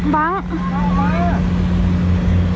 ว่าไง